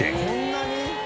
こんなに？